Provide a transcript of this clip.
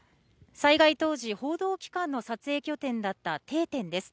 災害当時、報道機関の撮影拠点だった定点です。